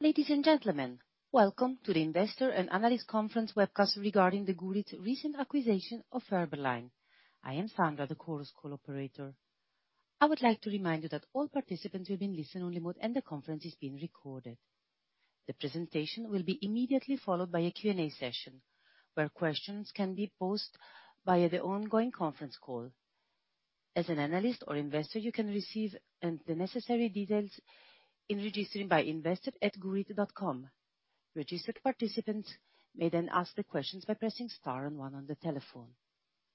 Ladies and gentlemen, welcome to the Investor and Analyst Conference webcast regarding Gurit's recent acquisition of Fiberline. I am Sandra, the Chorus Call operator. I would like to remind you that all participants will be in listen only mode, and the conference is being recorded. The presentation will be immediately followed by a Q&A session, where questions can be posed via the ongoing conference call. As an analyst or investor, you can receive, the necessary details in registering by investor@gurit.com. Registered participants may then ask their questions by pressing star and one on the telephone.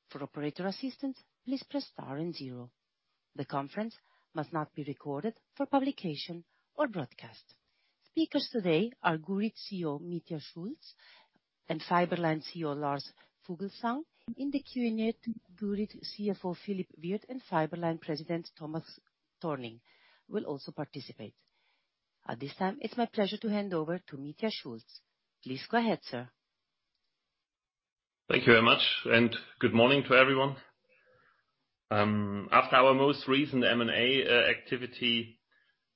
For operator assistance, please press star and zero. The conference must not be recorded for publication or broadcast. Speakers today are Gurit CEO Mitja Schulz and Fiberline CEO Lars Fuglsang. In the Q&A, Gurit CFO Philippe Wirth and Fiberline President Thomas Thorning will also participate. At this time, it's my pleasure to hand over to Mitja Schulz. Please go ahead, sir. Thank you very much, and good morning to everyone. After our most recent M&A activity,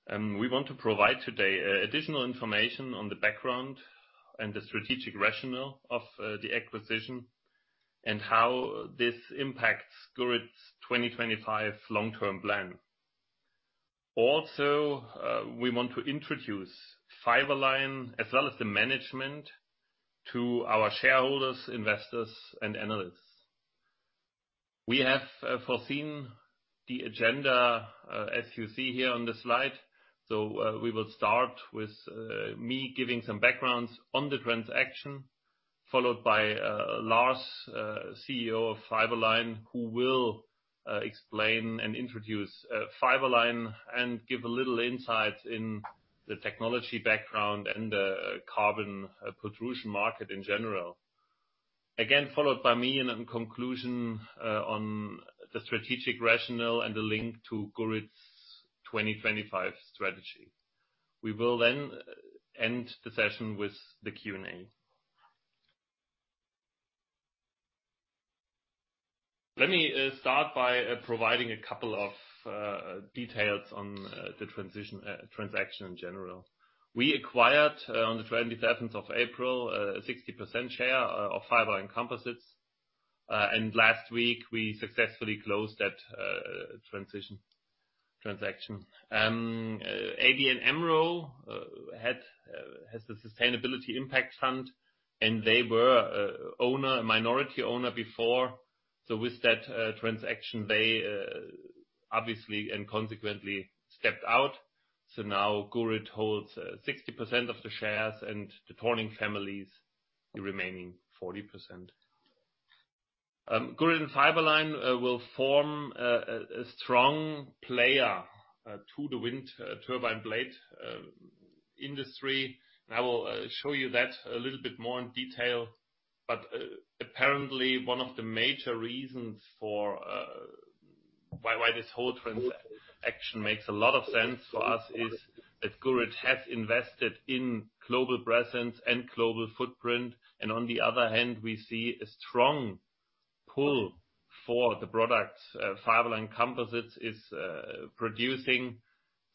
we want to provide today additional information on the background and the strategic rationale of the acquisition and how this impacts Gurit's 2025 long-term plan. Also, we want to introduce Fiberline as well as the management to our shareholders, investors, and analysts. We have foreseen the agenda as you see here on the slide. We will start with me giving some background on the transaction, followed by Lars, CEO of Fiberline, who will explain and introduce Fiberline and give a little insight in the technology background and the carbon pultrusion market in general. Again, followed by me in a conclusion on the strategic rationale and the link to Gurit's 2025 strategy. We will then end the session with the Q&A. Let me start by providing a couple of details on the transaction in general. We acquired on the 27th of April a 60% share of Fiberline Composites and last week we successfully closed that transaction. ABN AMRO has the Sustainable Impact Fund, and they were an owner, a minority owner before. With that transaction, they obviously and consequently stepped out. Now Gurit holds 60% of the shares and the Thorning family is the remaining 40%. Gurit and Fiberline will form a strong player in the wind turbine blade industry. I will show you that a little bit more in detail, but apparently one of the major reasons for why this whole transaction makes a lot of sense for us is that Gurit has invested in global presence and global footprint, and on the other hand, we see a strong pull for the products Fiberline Composites is producing.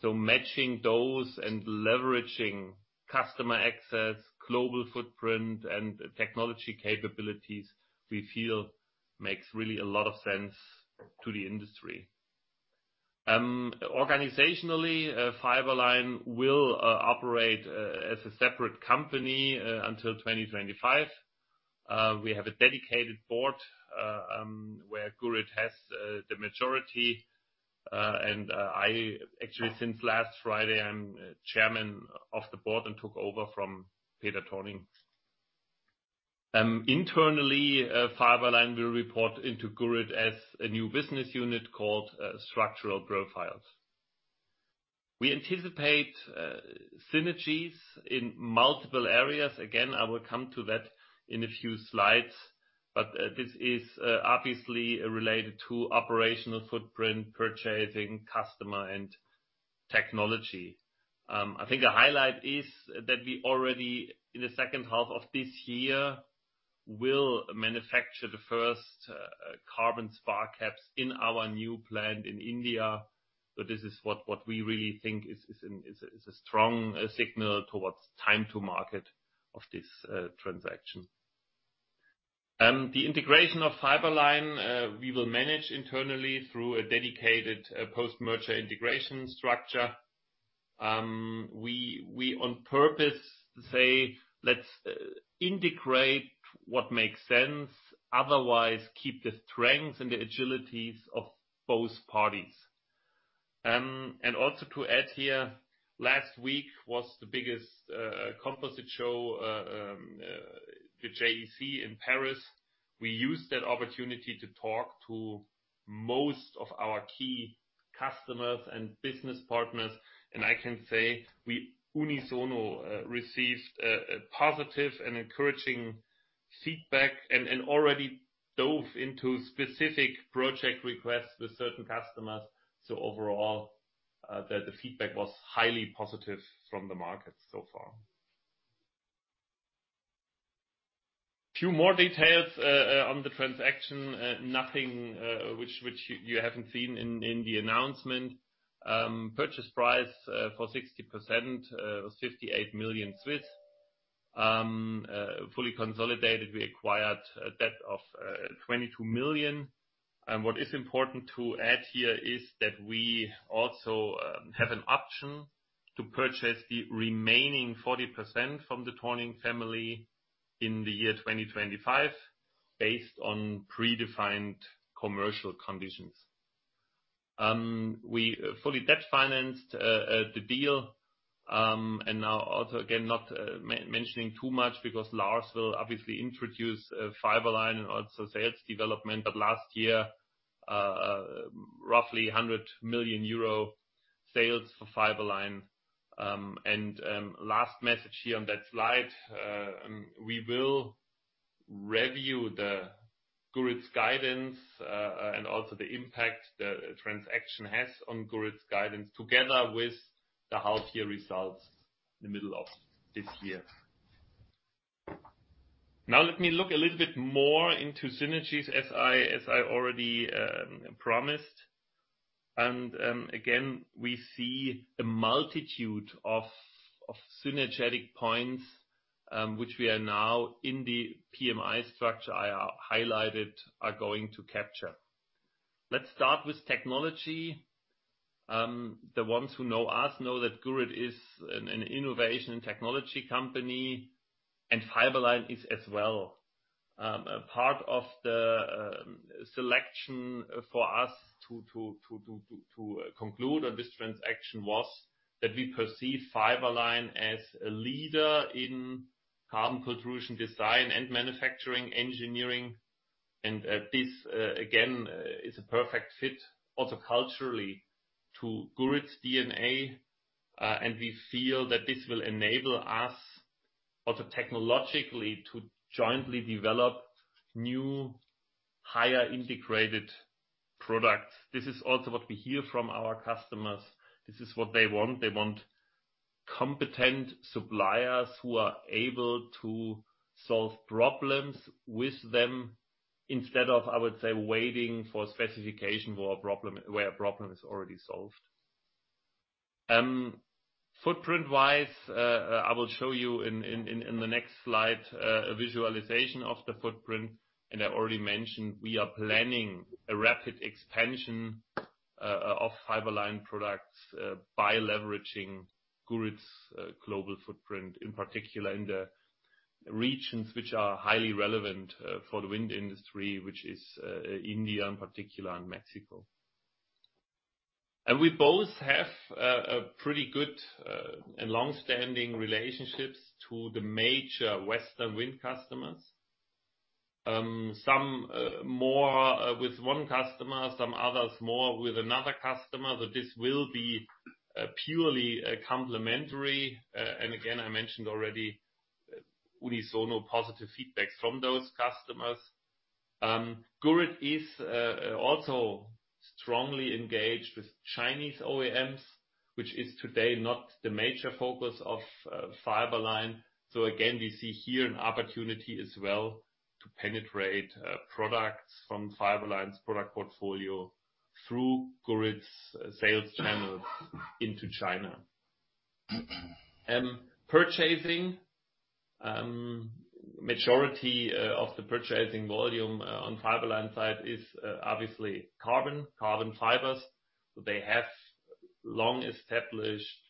Matching those and leveraging customer access, global footprint, and technology capabilities, we feel makes really a lot of sense to the industry. Organizationally, Fiberline will operate as a separate company until 2025. We have a dedicated board where Gurit has the majority, and I actually, since last Friday, I'm Chairman of the Board and took over from Peter Thorning. Internally, Fiberline will report into Gurit as a new business unit called Structural Profiles. We anticipate synergies in multiple areas. Again, I will come to that in a few slides, but this is obviously related to operational footprint, purchasing, customer, and technology. I think a highlight is that we already, in the H2 of this year, will manufacture the first carbon spar caps in our new plant in India. This is what we really think is a strong signal towards time to market of this transaction. The integration of Fiberline we will manage internally through a dedicated post-merger integration structure. We on purpose say, "Let's integrate what makes sense, otherwise keep the strengths and the agilities of both parties." Also to add here, last week was the biggest composite show, the JEC in Paris. We used that opportunity to talk to most of our key customers and business partners, and I can say we unisono received a positive and encouraging feedback and already dove into specific project requests with certain customers. Overall, the feedback was highly positive from the market so far. Few more details on the transaction, nothing which you haven't seen in the announcement. Purchase price for 60% was 58 million. Fully consolidated, we acquired a debt of 22 million. What is important to add here is that we also have an option to purchase the remaining 40% from the Thorning family in the year 2025, based on predefined commercial conditions. We fully debt-financed the deal, and now also, again, not mentioning too much because Lars will obviously introduce Fiberline and also sales development, but last year, roughly 100 million euro sales for Fiberline. Last message here on that slide, we will review Gurit's guidance, and also the impact the transaction has on Gurit's guidance together with the half year results in the middle of this year. Now, let me look a little bit more into synergies as I already promised. Again, we see a multitude of synergistic points, which we are now in the PMI structure I highlighted are going to capture. Let's start with technology. The ones who know us know that Gurit is an innovation technology company, and Fiberline is as well. A part of the selection for us to conclude on this transaction was that we perceive Fiberline as a leader in carbon pultrusion design and manufacturing, engineering. This again is a perfect fit also culturally to Gurit's DNA. We feel that this will enable us also technologically to jointly develop new, highly integrated products. This is also what we hear from our customers. This is what they want. They want competent suppliers who are able to solve problems with them instead of, I would say, waiting for specification where a problem is already solved. Footprint-wise, I will show you in the next slide a visualization of the footprint. I already mentioned we are planning a rapid expansion of Fiberline products by leveraging Gurit's global footprint, in particular in the regions which are highly relevant for the wind industry, which is India in particular, and Mexico. We both have a pretty good and long-standing relationships to the major Western wind customers. Some more with one customer, some others more with another customer, that this will be purely complementary. I mentioned already, we saw only positive feedback from those customers. Gurit is also strongly engaged with Chinese OEMs, which is today not the major focus of Fiberline. Again, we see here an opportunity as well to penetrate products from Fiberline's product portfolio through Gurit's sales channels into China. Purchasing majority of the purchasing volume on Fiberline side is obviously carbon fibers. They have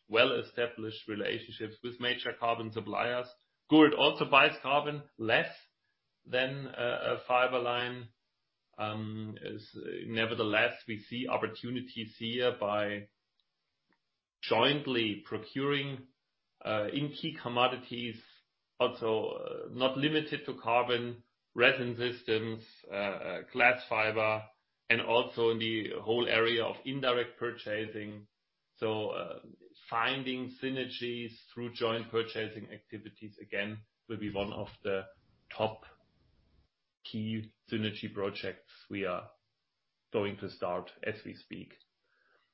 well-established relationships with major carbon suppliers. Gurit also buys carbon less than Fiberline. As nevertheless, we see opportunities here by jointly procuring in key commodities, also not limited to carbon, resin systems, glass fiber, and also in the whole area of indirect purchasing. Finding synergies through joint purchasing activities, again, will be one of the top key synergy projects we are going to start as we speak.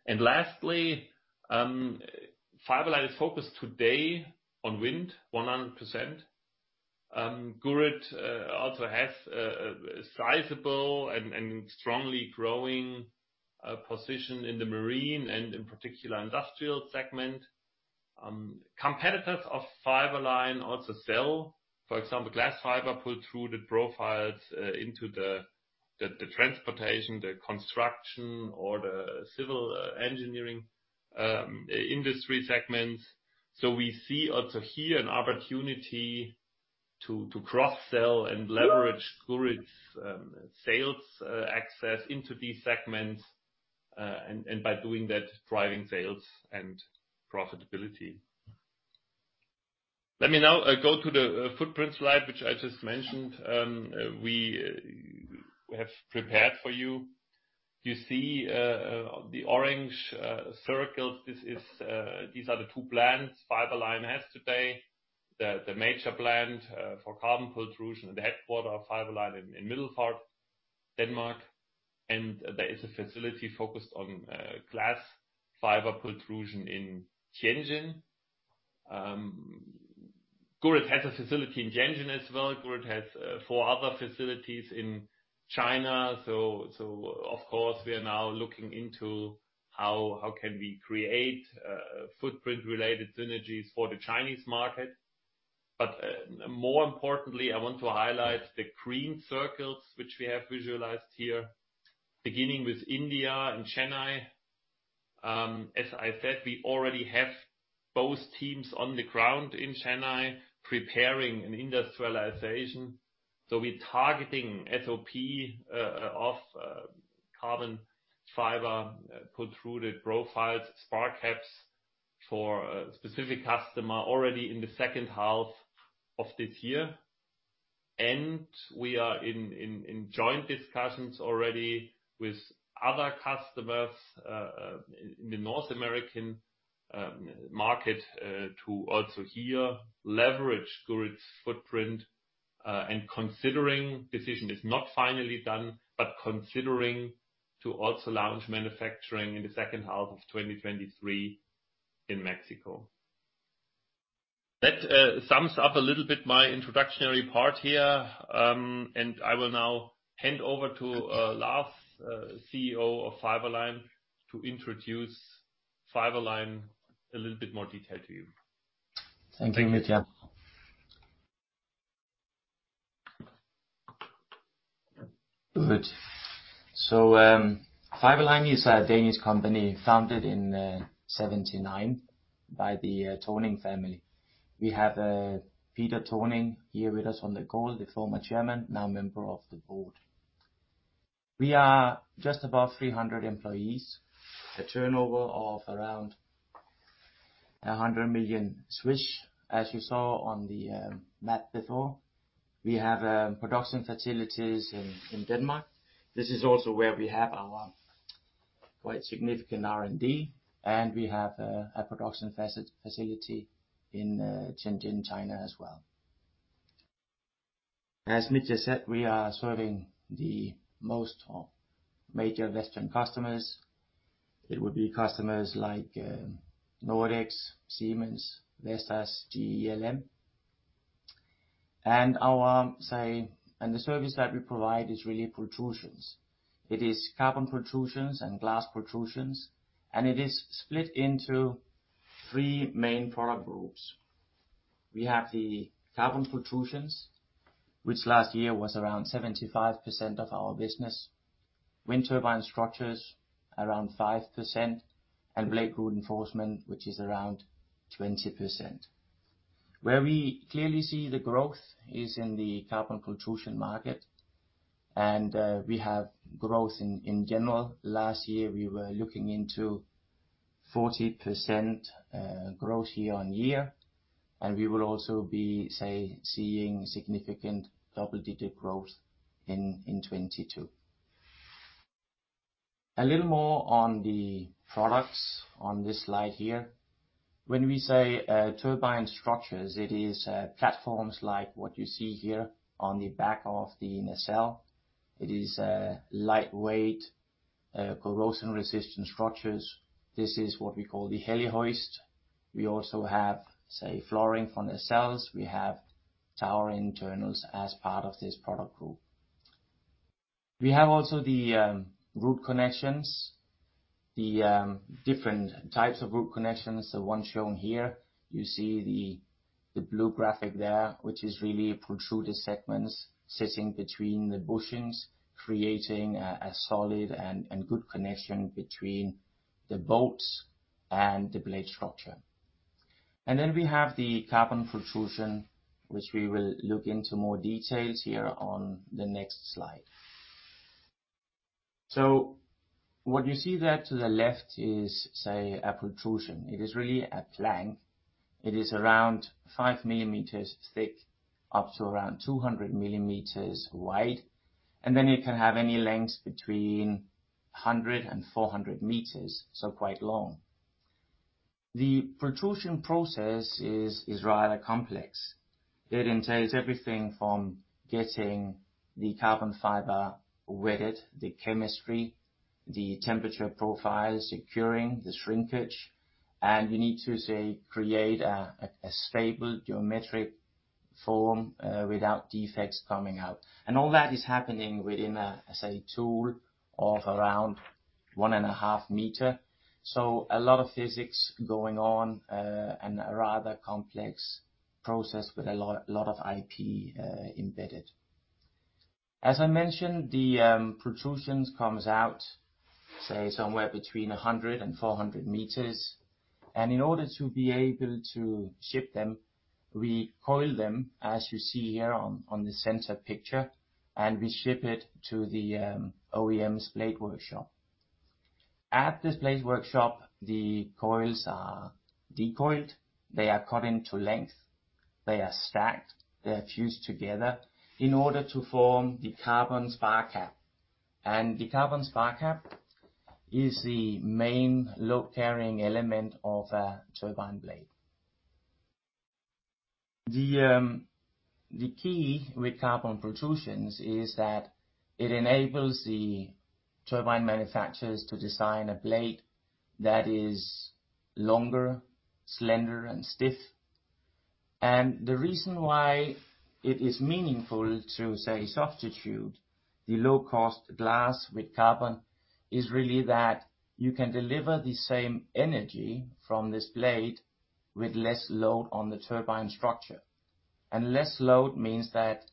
Lastly, Fiberline is focused today on wind 100%. Gurit also has a sizable and strongly growing position in the marine and in particular industrial segment. Competitors of Fiberline also sell, for example, glass fiber pultruded profiles into the transportation, the construction or the civil engineering industry segments. We see also here an opportunity to cross-sell and leverage Gurit's sales access into these segments and by doing that, driving sales and profitability. Let me now go to the footprint slide, which I just mentioned, we have prepared for you. You see the orange circles. These are the two plants Fiberline has today. The major plant for carbon pultrusion and the headquarters of Fiberline in Middelfart, Denmark, and there is a facility focused on glass fiber pultrusion in Tianjin. Gurit has a facility in Tianjin as well. Gurit has four other facilities in China. Of course, we are now looking into how we can create footprint-related synergies for the Chinese market. More importantly, I want to highlight the green circles which we have visualized here, beginning with India and Chennai. As I said, we already have both teams on the ground in Chennai preparing an industrialization. We're targeting SOP of carbon fiber pultruded profiles, spar caps for a specific customer already in the H2 of this year. We are in joint discussions already with other customers in the North American market to also here leverage Gurit's footprint, and considering decision is not finally done, but considering to also launch manufacturing in the H2 of 2023 in Mexico. That sums up a little bit my introductory part here, and I will now hand over to Lars, CEO of Fiberline, to introduce Fiberline in a little bit more detail to you. Thank you, Mitja. Good. Fiberline is a Danish company founded in 1979 by the Thorning family. We have Peter Thorning here with us on the call, the former chairman, now member of the board. We are just about 300 employees. A turnover of around 100 million. As you saw on the map before, we have production facilities in Denmark. This is also where we have our quite significant R&D, and we have a production facility in Tianjin, China as well. As Mitja said, we are serving most of the major Western customers. It would be customers like Nordex, Siemens, Vestas, LM. Our, say, the service that we provide is really pultrusions. It is carbon pultrusions and glass pultrusions, and it is split into three main product groups. We have the carbon pultrusions, which last year was around 75% of our business. Wind turbine structures, around 5%, and blade root reinforcement, which is around 20%. Where we clearly see the growth is in the carbon pultrusion market, and we have growth in general. Last year, we were looking into 40% growth year-over-year, and we will also be seeing significant double-digit growth in 2022. A little more on the products on this slide here. When we say turbine structures, it is platforms like what you see here on the back of the nacelle. It is lightweight, corrosion-resistant structures. This is what we call the Helihoist. We also have flooring for nacelles. We have tower internals as part of this product group. We have also the root connections. The different types of root connections. The one shown here, you see the blue graphic there, which is really pultruded segments sitting between the bushings, creating a solid and good connection between the bolts and the blade structure. Then we have the carbon pultrusion, which we will look into more details here on the next slide. What you see there to the left is, say, a pultrusion. It is really a plank. It is around five millimeters thick, up to around 200 millimeters wide, and then it can have any length between 100 and 400 meters, so quite long. The pultrusion process is rather complex. It entails everything from getting the carbon fiber wetted, the chemistry, the temperature profiles, the curing, the shrinkage, and you need to, say, create a stable geometric form without defects coming out. All that is happening within a, say, tool of around one and half meters. A lot of physics going on, and a rather complex process with a lot of IP embedded. As I mentioned, the pultrusions come out, say, somewhere between 100-400 meters, and in order to be able to ship them, we coil them as you see here on the center picture, and we ship it to the OEM's blade workshop. At this blade workshop, the coils are decoiled, they are cut into length, they are stacked, they are fused together in order to form the carbon spar cap. The carbon spar cap is the main load-carrying element of a turbine blade. The key with carbon pultrusions is that it enables the turbine manufacturers to design a blade that is longer, slender and stiff. The reason why it is meaningful to, say, substitute the low cost glass with carbon is really that you can deliver the same energy from this blade with less load on the turbine structure. Less load means that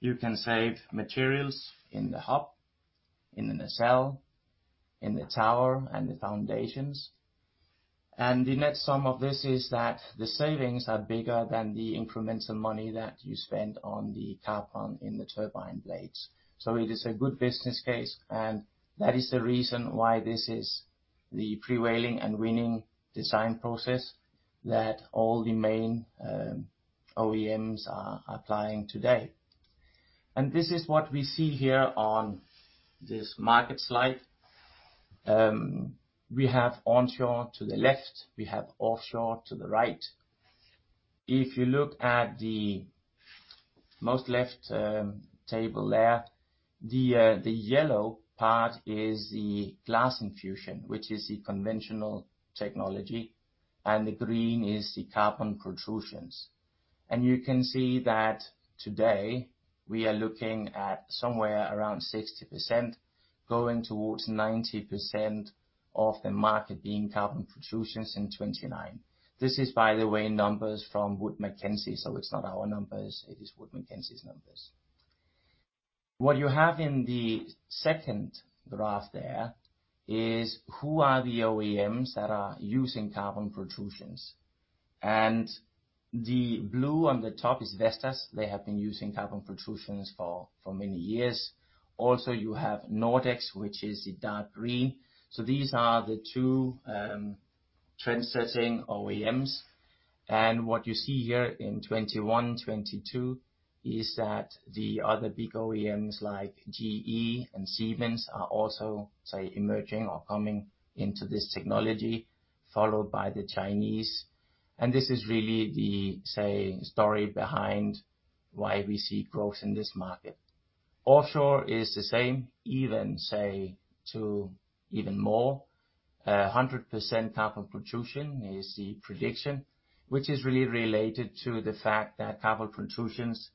you can save materials in the hub, in the nacelle, in the tower, and the foundations. The net sum of this is that the savings are bigger than the incremental money that you spend on the carbon in the turbine blades. It is a good business case, and that is the reason why this is the prevailing and winning design process that all the main OEMs are applying today. This is what we see here on this market slide. We have onshore to the left, we have offshore to the right. If you look at the most left table there, the yellow part is the glass infusion, which is the conventional technology, and the green is the carbon pultrusions. You can see that today we are looking at somewhere around 60% going towards 90% of the market being carbon pultrusions in 2029. This is by the way numbers from Wood Mackenzie, so it's not our numbers, it is Wood Mackenzie's numbers. What you have in the second graph there is who are the OEMs that are using carbon pultrusions. The blue on the top is Vestas. They have been using carbon pultrusions for many years. Also you have Nordex, which is the dark green. These are the two trendsetting OEMs. What you see here in 2021, 2022 is that the other big OEMs like GE and Siemens are also, say, emerging or coming into this technology, followed by the Chinese. This is really the, say, story behind why we see growth in this market. Offshore is the same, even, say, to even more, 100% carbon pultrusion is the prediction, which is really related to the fact that carbon pultrusions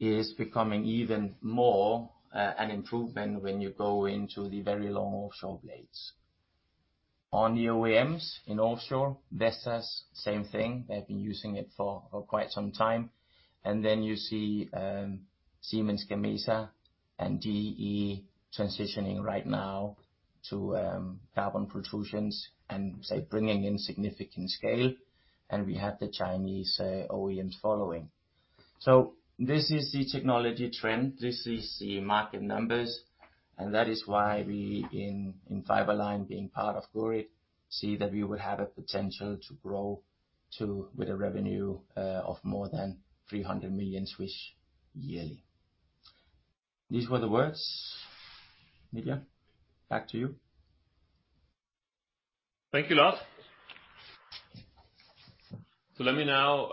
is becoming even more, an improvement when you go into the very long offshore blades. On the OEMs in offshore, Vestas, same thing. They've been using it for quite some time. Then you see, Siemens Gamesa and GE transitioning right now to, carbon pultrusions and, say, bringing in significant scale, and we have the Chinese, OEMs following. This is the technology trend. This is the market numbers, and that is why we in Fiberline being part of Gurit see that we would have a potential to grow to with a revenue of more than 300 million yearly. These were the words. Mitja, back to you. Thank you, Lars. Let me now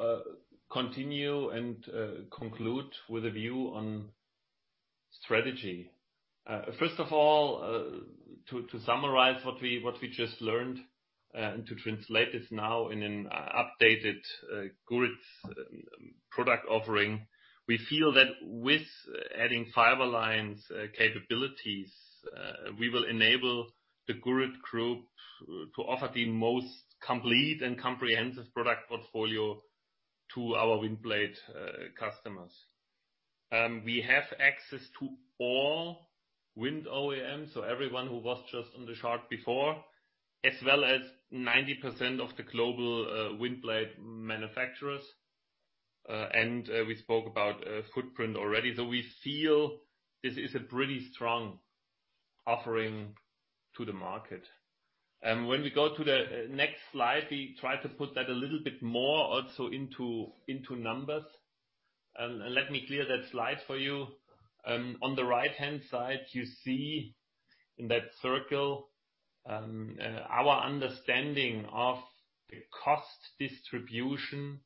continue and conclude with a view on strategy. First of all, to summarize what we just learned and to translate this now in an updated Gurit's product offering, we feel that with adding Fiberline's capabilities, we will enable the Gurit group to offer the most complete and comprehensive product portfolio to our wind blade customers. We have access to all wind OEM, so everyone who was just on the chart before, as well as 90% of the global wind blade manufacturers, and we spoke about footprint already, so we feel this is a pretty strong offering to the market. When we go to the next slide, we try to put that a little bit more also into numbers. Let me clear that slide for you. On the right-hand side, you see in that circle our understanding of the cost distribution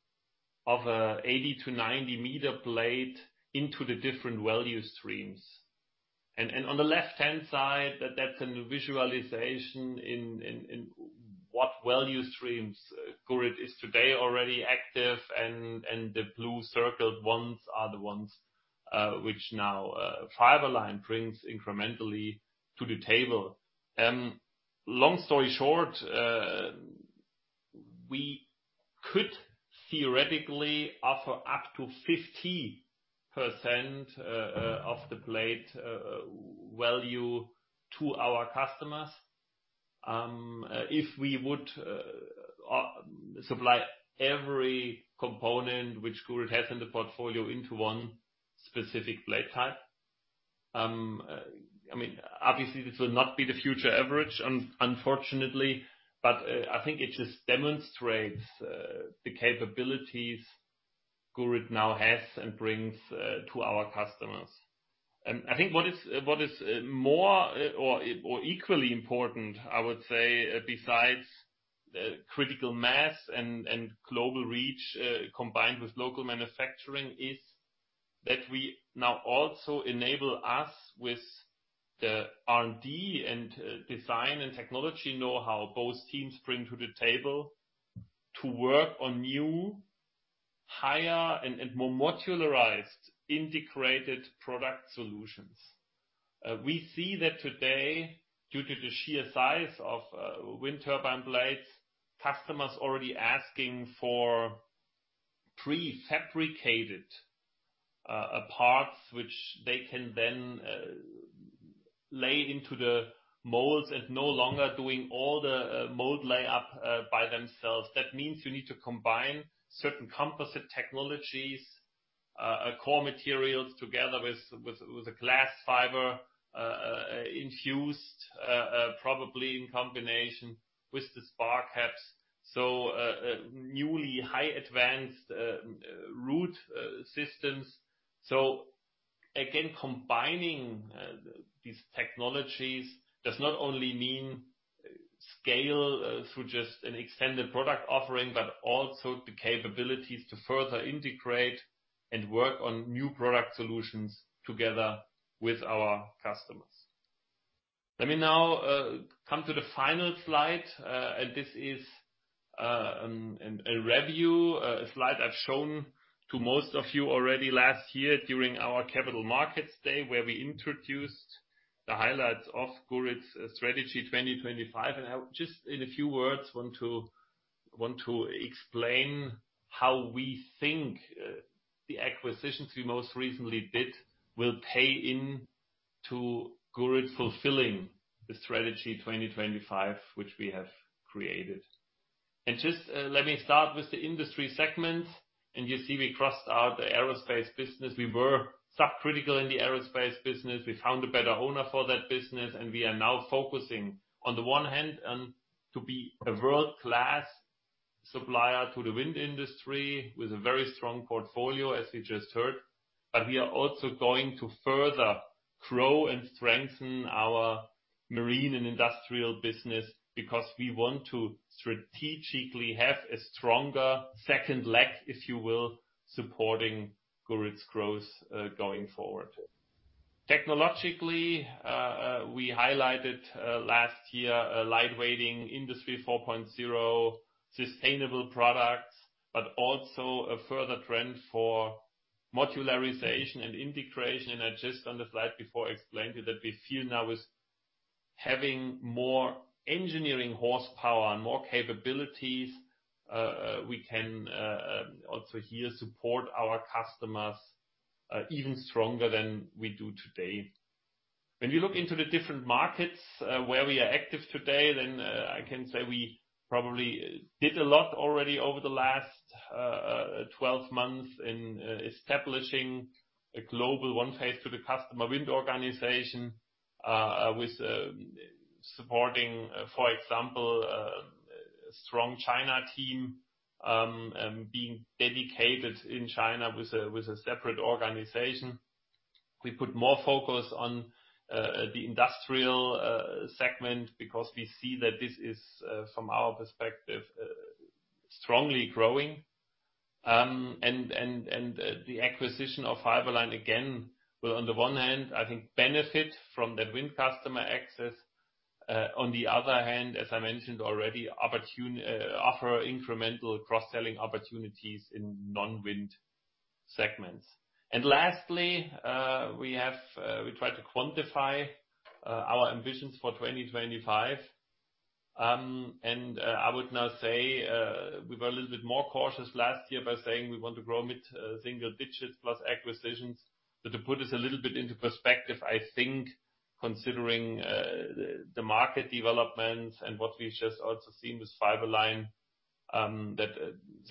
of a 80-90 meter blade into the different value streams. On the left-hand side, that's a new visualization in what value streams Gurit is today already active and the blue circled ones are the ones which now Fiberline brings incrementally to the table. Long story short, we could theoretically offer up to 50% of the blade value to our customers if we would supply every component which Gurit has in the portfolio into one specific blade type. I mean, obviously this will not be the future average, unfortunately, but I think it just demonstrates the capabilities Gurit now has and brings to our customers. I think what is more or equally important, I would say, besides critical mass and global reach combined with local manufacturing, is that we now also enable us with the R&D and design and technology knowhow both teams bring to the table to work on new, higher, and more modularized integrated product solutions. We see that today, due to the sheer size of wind turbine blades, customers already asking for prefabricated parts which they can then lay into the molds and no longer doing all the mold layup by themselves. That means you need to combine certain composite technologies, core materials together with a glass fiber infusion, probably in combination with the spar caps. New, highly advanced root systems. Again, combining these technologies does not only mean scaling through just an extended product offering, but also the capabilities to further integrate and work on new product solutions together with our customers. Let me now come to the final slide. This is a review, a slide I've shown to most of you already last year during our capital markets day, where we introduced the highlights of Gurit's Strategy 2025. I just, in a few words, want to explain how we think the acquisitions we most recently did will play into Gurit fulfilling the Strategy 2025, which we have created. Just let me start with the industry segments. You see we crossed out the aerospace business. We were subcritical in the aerospace business. We found a better owner for that business, and we are now focusing on the one hand to be a world-class supplier to the wind industry with a very strong portfolio, as you just heard. But we are also going to further grow and strengthen our marine and industrial business because we want to strategically have a stronger second leg, if you will, supporting Gurit's growth going forward. Technologically, we highlighted last year lightweighting, Industry 4.0, sustainable products, but also a further trend for modularization and integration. Just on the slide before, I explained to you that we feel now with having more engineering horsepower and more capabilities, we can also here support our customers even stronger than we do today. When you look into the different markets where we are active today, then I can say we probably did a lot already over the last 12 months in establishing a global one face to the customer wind organization with supporting, for example, a strong China team and being dedicated in China with a separate organization. We put more focus on the industrial segment because we see that this is from our perspective strongly growing. The acquisition of Fiberline again will on the one hand, I think benefit from that wind customer access. On the other hand, as I mentioned already, offer incremental cross-selling opportunities in non-wind segments. Lastly, we try to quantify our ambitions for 2025. I would now say, we were a little bit more cautious last year by saying we want to grow mid-single digits plus acquisitions. To put this a little bit into perspective, I think considering the market developments and what we've just also seen with Fiberline, that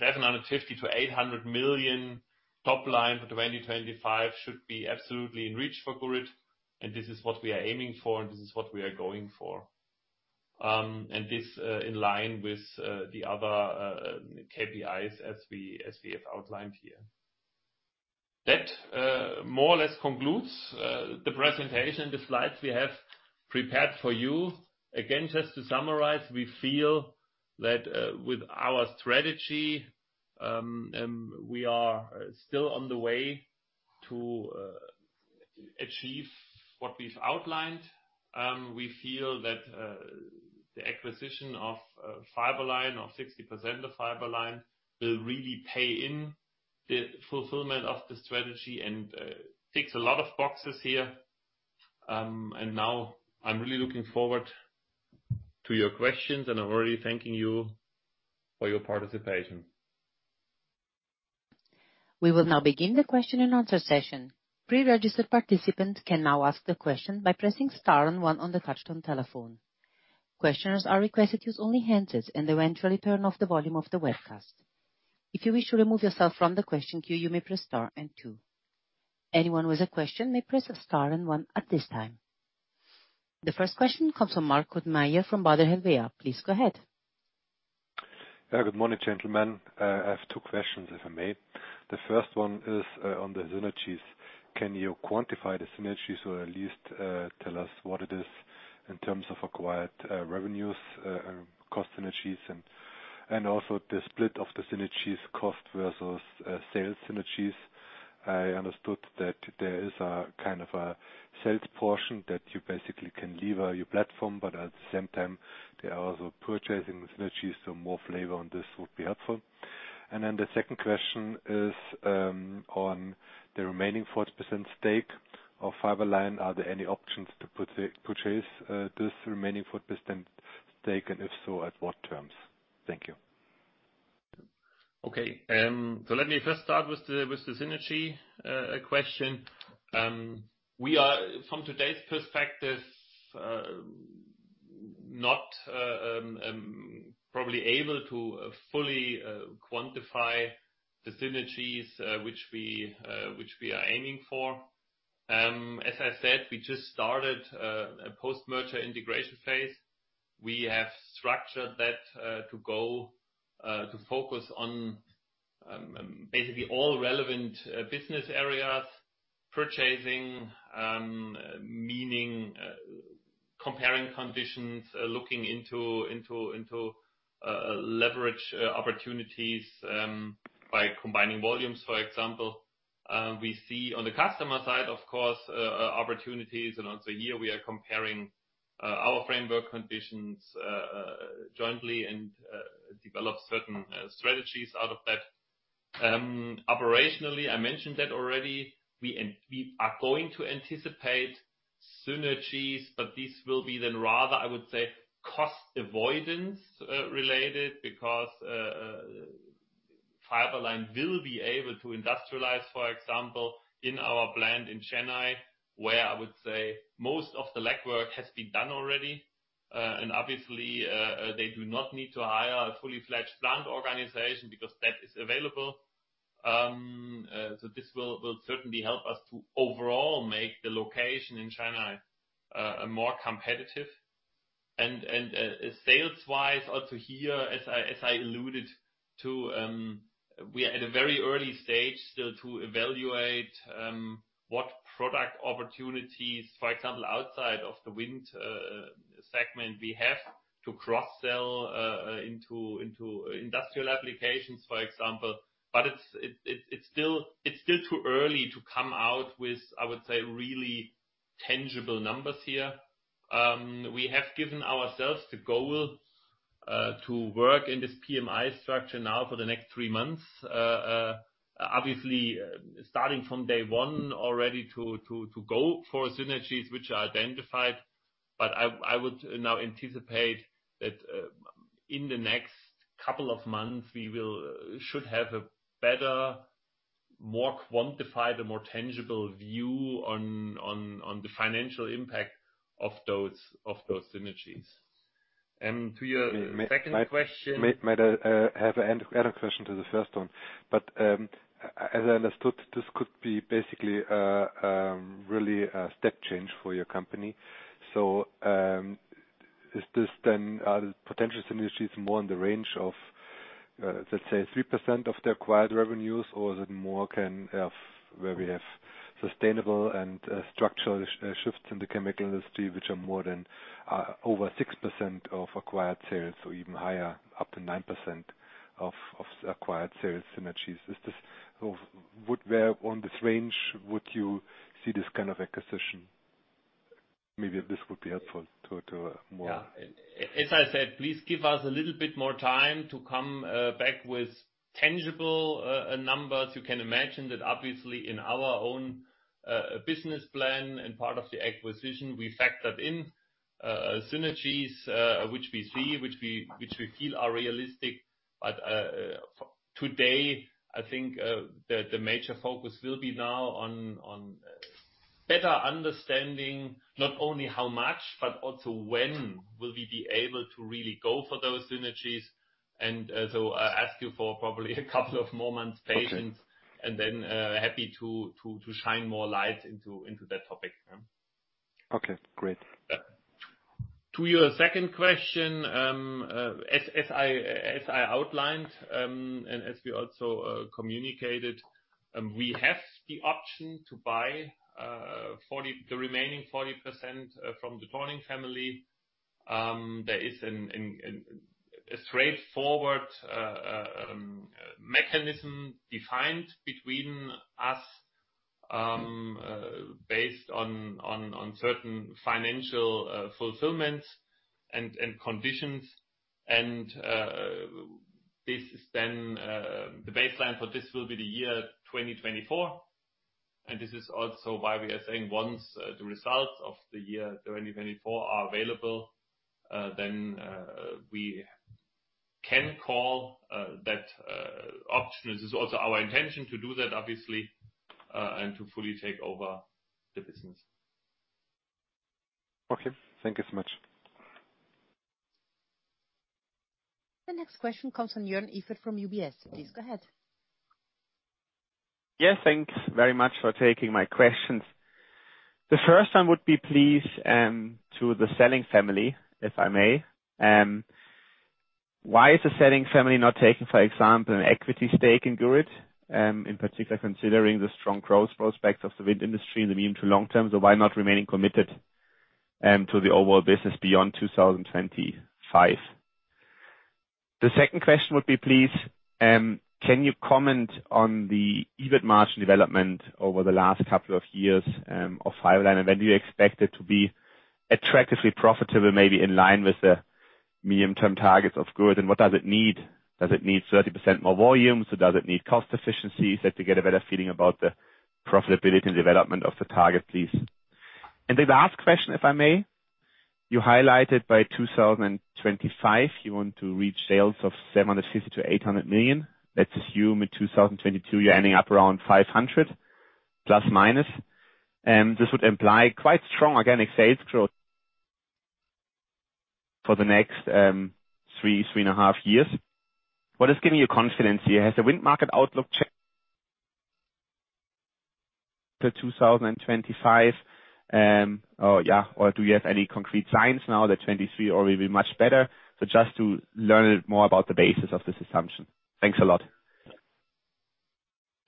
750-800 million top line for 2025 should be absolutely in reach for Gurit. This is what we are aiming for, and this is what we are going for. This in line with the other KPIs as we have outlined here. That more or less concludes the presentation, the slides we have prepared for you. Again, just to summarize, we feel that with our strategy we are still on the way to achieve what we've outlined. We feel that the acquisition of Fiberline, or 60% of Fiberline, will really pay in the fulfillment of the strategy and ticks a lot of boxes here. Now I'm really looking forward to your questions, and I'm already thanking you for your participation. We will now begin the question and answer session. Pre-registered participants can now ask the question by pressing star one on the touchtone telephone. Questioners are requested to use the handset only and to turn off the volume of the webcast. If you wish to remove yourself from the question queue, you may press star two. Anyone with a question may press star one at this time. The first question comes from Markus Mayer from Baader Helvea. Please go ahead. Yeah. Good morning, gentlemen. I have two questions, if I may. The first one is on the synergies. Can you quantify the synergies or at least tell us what it is in terms of acquired revenues, cost synergies and also the split of the synergies cost versus sales synergies. I understood that there is a kind of a sales portion that you basically can leverage your platform, but at the same time there are also purchasing synergies, so more flavor on this would be helpful. The second question is on the remaining 40% stake of Fiberline. Are there any options to purchase this remaining 40% stake, and if so, at what terms? Thank you. Okay. Let me first start with the synergy question. We are from today's perspective not probably able to fully quantify the synergies which we are aiming for. As I said, we just started a post-merger integration phase. We have structured that to go to focus on basically all relevant business areas, purchasing, meaning comparing conditions, looking into leverage opportunities by combining volumes, for example. We see on the customer side, of course, opportunities, and also here we are comparing our framework conditions jointly and develop certain strategies out of that. Operationally, I mentioned that already. We are going to anticipate synergies, but this will be then rather, I would say, cost avoidance related because Fiberline will be able to industrialize, for example, in our plant in Chennai, where I would say most of the legwork has been done already. Obviously, they do not need to hire a fully fledged plant organization because that is available. This will certainly help us to overall make the location in China more competitive. Sales wise, also here, as I alluded to, we are at a very early stage still to evaluate what product opportunities, for example, outside of the wind segment we have to cross-sell into industrial applications, for example. It's still too early to come out with, I would say, really tangible numbers here. We have given ourselves the goal to work in this PMI structure now for the next three months. Obviously starting from day one already to go for synergies which are identified. I would now anticipate that in the next couple of months we should have a better, more quantified, a more tangible view on the financial impact of those synergies. To your second question- May I have an added question to the first one? As I understood, this could be basically really a step change for your company. Are the potential synergies more in the range of, let's say, 3% of the acquired revenues, or is it more akin to where we have sustainable and structural shifts in the chemical industry, which are more than over 6% of acquired sales or even higher, up to 9% of acquired sales synergies? Would you see this kind of acquisition on this range? Maybe this would be helpful to more Yeah. As I said, please give us a little bit more time to come back with tangible numbers. You can imagine that obviously in our own business plan and part of the acquisition, we factored in synergies, which we see, which we feel are realistic. But today, I think the major focus will be now on better understanding not only how much, but also when will we be able to really go for those synergies. I ask you for probably a couple of more months patience. Okay. Happy to shine more light into that topic. Okay, great. To your second question, as I outlined, and as we also communicated, we have the option to buy the remaining 40% from the Thorning family. There is a straightforward mechanism defined between us, based on certain financial fulfillments and conditions. This is then the baseline for this will be the year 2024, and this is also why we are saying once the results of the year 2024 are available, then we can call that option. This is also our intention to do that obviously, and to fully take over the business. Okay. Thank you so much. The next question comes from Jörn Iffert from UBS. Please go ahead. Yes, thanks very much for taking my questions. The first one would be please, to the selling family, if I may. Why is the selling family not taking, for example, an equity stake in Gurit, in particular considering the strong growth prospects of the wind industry in the medium to long term? Why not remaining committed, to the overall business beyond 2025? The second question would be, please, can you comment on the EBIT margin development over the last couple of years, of Fiberline? And when do you expect it to be attractively profitable, maybe in line with the medium-term targets of Gurit, and what does it need? Does it need 30% more volumes, or does it need cost efficiencies, that to get a better feeling about the profitability and development of the target, please. The last question, if I may. You highlighted by 2025 you want to reach sales of 750-800 million. Let's assume in 2022 you're ending up around 500 million, ±. This would imply quite strong organic sales growth for the next three and half years. What is giving you confidence here? Has the wind market outlook changed to 2025, or do you have any concrete signs now that 2023 will be much better? Just to learn more about the basis of this assumption. Thanks a lot.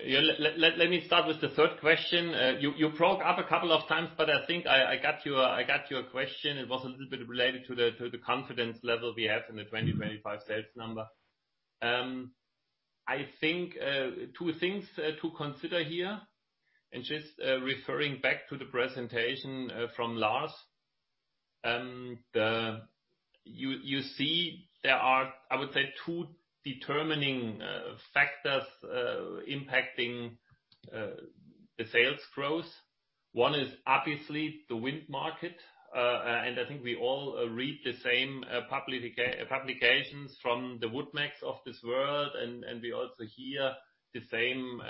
Let me start with the third question. You broke up a couple of times, but I think I got your question. It was a little bit related to the confidence level we have in the 2025 sales number. I think two things to consider here, and just referring back to the presentation from Lars. You see there are, I would say, two determining factors impacting the sales growth. One is obviously the wind market, and I think we all read the same publications from the WoodMacs of this world, and we also hear the same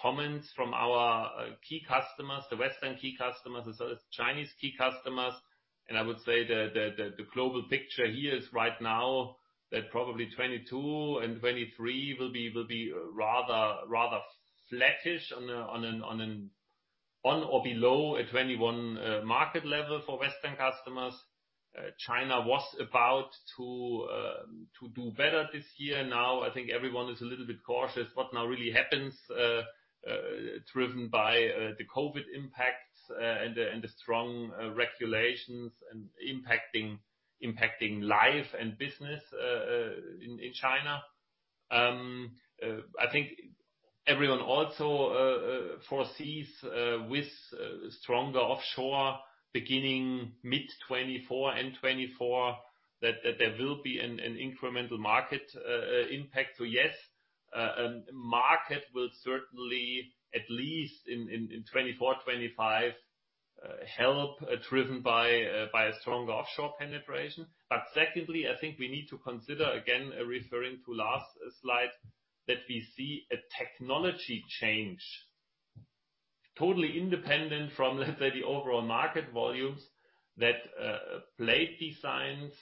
comments from our key customers, the Western key customers, as well as Chinese key customers. I would say the global picture here is right now that probably 2022 and 2023 will be rather flattish on or below a 2021 market level for Western customers. China was about to do better this year. Now, I think everyone is a little bit cautious what now really happens, driven by the COVID impacts and the strong regulations and impacting life and business in China. I think everyone also foresees, with stronger offshore beginning mid-2024, end 2024 that there will be an incremental market impact. Yes, market will certainly, at least in 2024, 2025, help, driven by a stronger offshore penetration. Secondly, I think we need to consider, again, referring to last slide, that we see a technology change, totally independent from, let's say, the overall market volumes, that blade designs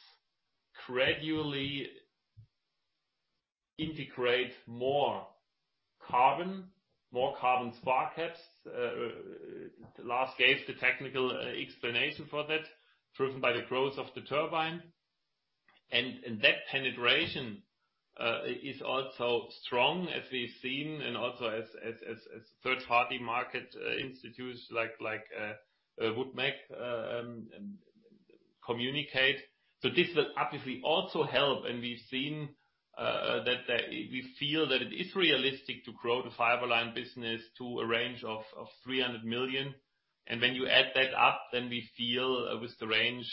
gradually integrate more carbon, more carbon spar caps. Lars gave the technical explanation for that, driven by the growth of the turbine. That penetration is also strong, as we've seen, and also as third-party market institutes like WoodMac communicate. This will obviously also help, and we've seen that we feel that it is realistic to grow the Fiberline business to a range of 300 million. When you add that up, then we feel with the range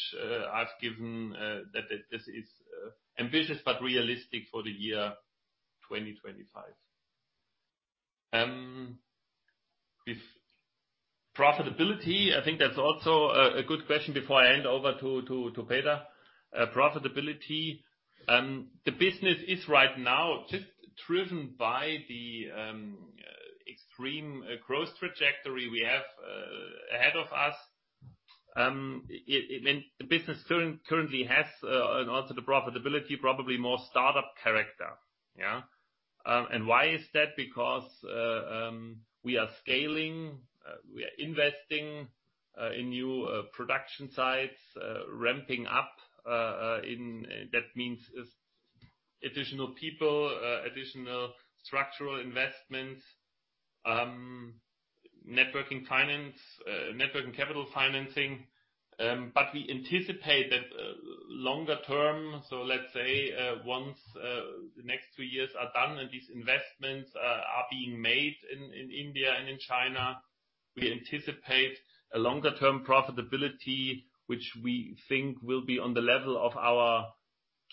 I've given that this is ambitious but realistic for the year 2025. With profitability, I think that's also a good question before I hand over to Peter. Profitability, the business is right now just driven by the extreme growth trajectory we have ahead of us. The business currently has, and also the profitability, probably more startup character, yeah? Why is that? Because we are scaling, we are investing in new production sites, ramping up, that means additional people, additional structural investments, working capital financing. We anticipate that longer term, so let's say, once the next two years are done and these investments are being made in India and in China, we anticipate a longer-term profitability, which we think will be on the level of our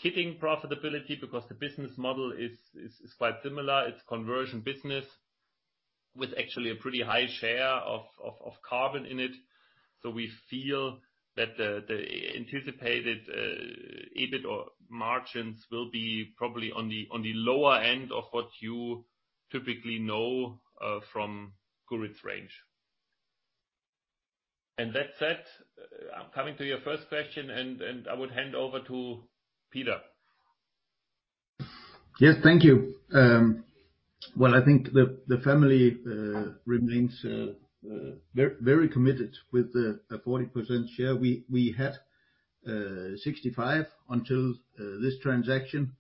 kitting profitability, because the business model is quite similar. It's conversion business with actually a pretty high share of carbon in it. We feel that the anticipated EBIT or margins will be probably on the lower end of what you typically know from Gurit's range. That said, I'm coming to your first question, and I would hand over to Peter. Yes, thank you. Well, I think the family remains very committed with a 40% share. We had 65% until this transaction.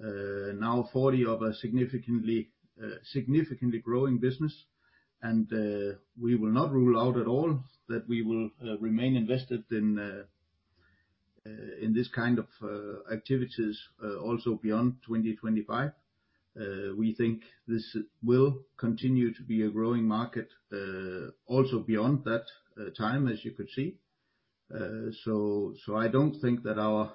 Now 40% of a significantly growing business. We will not rule out at all that we will remain invested in this kind of activities also beyond 2025. We think this will continue to be a growing market also beyond that time, as you could see. I don't think that our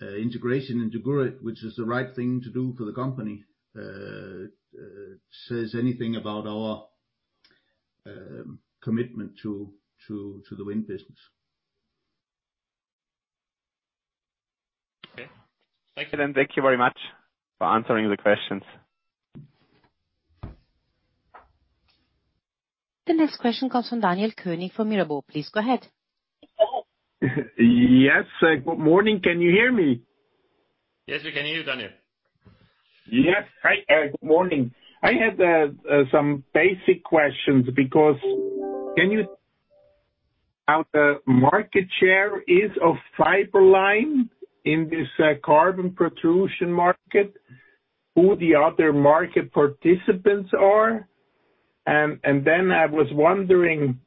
integration into Gurit, which is the right thing to do for the company, says anything about our commitment to the wind business. Okay. Thank you. Thank you very much for answering the questions. The next question comes from Daniel König from Mirabaud. Please go ahead. Yes. Good morning. Can you hear me? Yes, we can hear you, Daniel. Yes. Hi, good morning. I had some basic questions, how the market share is of Fiberline in this carbon pultrusion market, who the other market participants are. I was wondering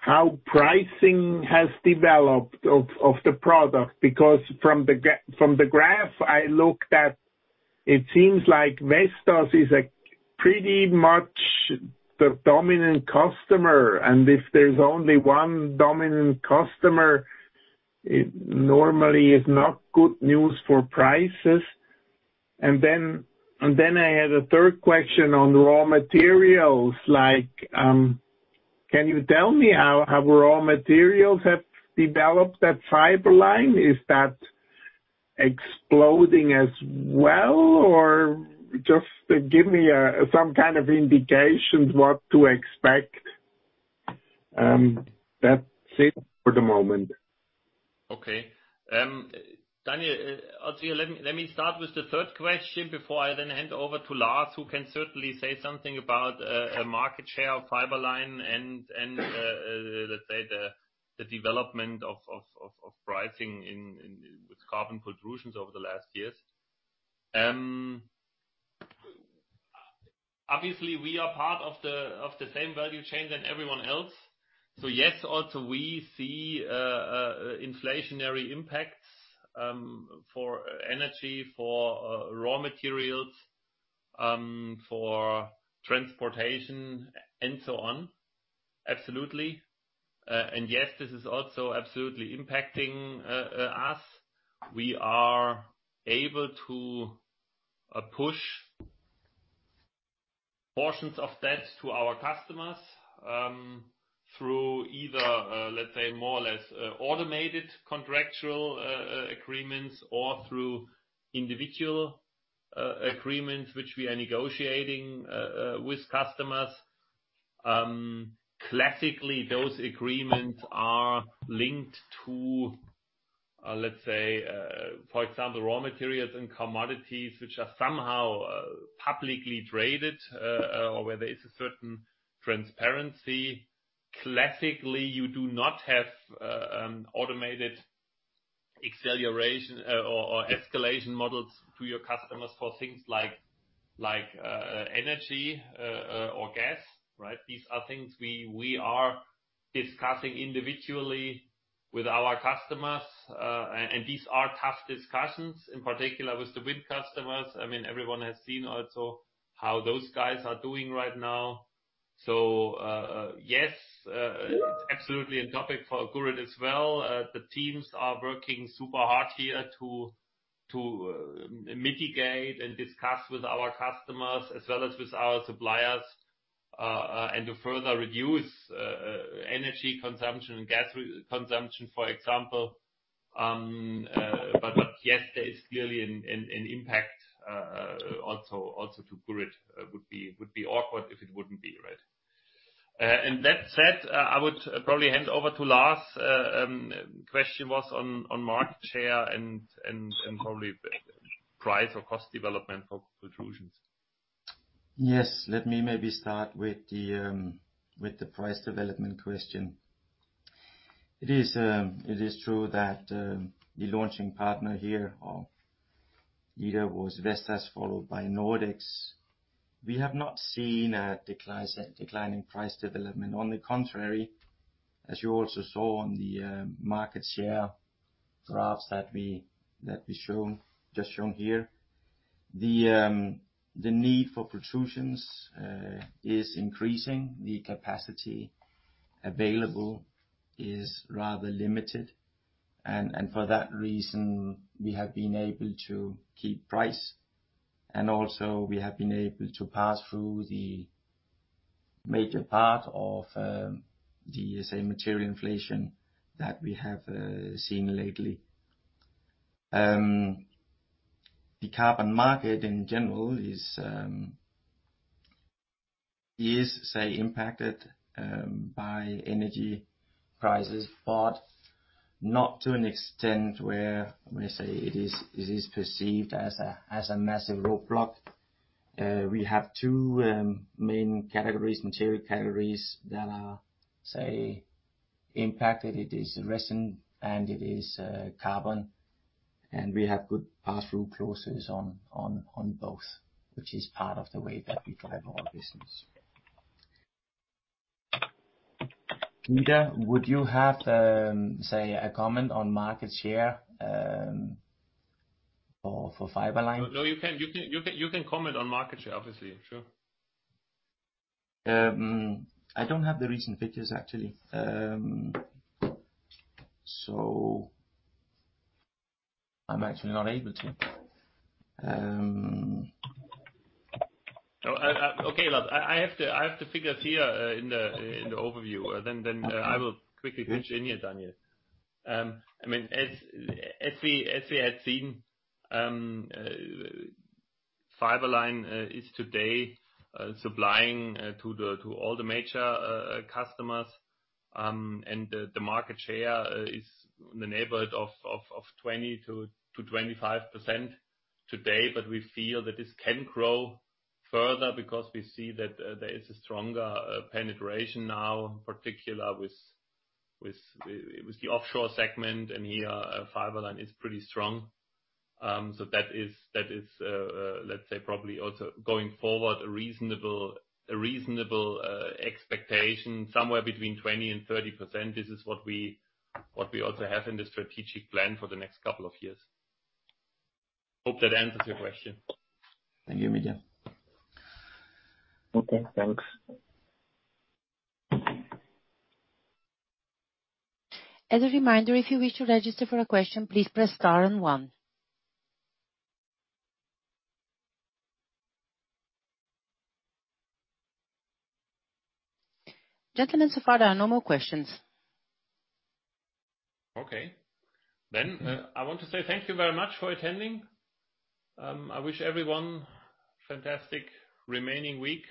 how pricing has developed of the product, because from the graph I looked at, it seems like Vestas is pretty much the dominant customer, and if there's only one dominant customer, it normally is not good news for prices. I had a third question on raw materials, like, can you tell me how raw materials have developed at Fiberline? Is that exploding as well? Or just give me some kind of indications what to expect. That's it for the moment. Okay. Daniel, also let me start with the third question before I then hand over to Lars, who can certainly say something about the market share of Fiberline and let's say the development of pricing with carbon pultrusions over the last years. Obviously, we are part of the same value chain than everyone else. Yes, also we see inflationary impacts for energy, for raw materials, for transportation and so on. Absolutely. Yes, this is also absolutely impacting us. We are able to push portions of that to our customers through either let's say more or less automated contractual agreements or through individual agreements which we are negotiating with customers. Classically, those agreements are linked to, let's say, for example, raw materials and commodities which are somehow publicly traded or where there is a certain transparency. Classically, you do not have automated acceleration or escalation models to your customers for things like energy or gas, right? These are things we are discussing individually with our customers, and these are tough discussions, in particular with the wind customers. I mean, everyone has seen also how those guys are doing right now. Yes, it's absolutely a topic for Gurit as well. The teams are working super hard here to mitigate and discuss with our customers as well as with our suppliers, and to further reduce energy consumption and gas consumption, for example. Yes, there is clearly an impact also to Gurit. Would be awkward if it wouldn't be, right? That said, I would probably hand over to Lars. Question was on market share and probably price or cost development for pultrusions. Yes. Let me maybe start with the price development question. It is true that the launching partner here of Fiberline was Vestas, followed by Nordex. We have not seen a decline in price development. On the contrary, as you also saw on the market share graphs that we've shown here, the need for pultrusions is increasing. The capacity available is rather limited. For that reason, we have been able to keep price, and also we have been able to pass through the major part of the, let's say, material inflation that we have seen lately. The carbon market in general is, say, impacted by energy prices, but not to an extent where, let me say, it is perceived as a massive roadblock. We have two main categories, material categories that are, say, impacted. It is resin, and it is carbon. We have good pass-through clauses on both, which is part of the way that we drive our business. Peter, would you have, say, a comment on market share, or for Fiberline? No, you can comment on market share, obviously. Sure. I don't have the recent figures, actually. I'm actually not able to. Okay, Lars. I have the figures here in the overview. I will quickly pitch in here, Daniel. I mean, as we had seen, Fiberline is today supplying to all the major customers. The market share is in the neighborhood of 20%-25% today. We feel that this can grow further because we see that there is a stronger penetration now, particularly with the offshore segment. Here, Fiberline is pretty strong. That is, let's say, probably also going forward, a reasonable expectation, somewhere between 20% and 30%. This is what we also have in the strategic plan for the next couple of years. Hope that answers your question. Thank you, Mitja. Okay, thanks. As a reminder, if you wish to register for a question, please press star and one. Gentlemen, so far there are no more questions. Okay. Then, I want to say thank you very much for attending. I wish everyone fantastic remaining week.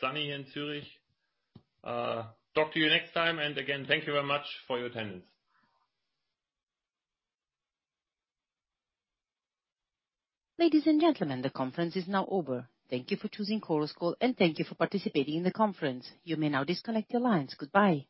Sunny here in Zurich. Talk to you next time. Again, thank you very much for your attendance. Ladies and gentlemen, the conference is now over. Thank you for choosing Chorus Call, and thank you for participating in the conference. You may now disconnect your lines. Goodbye.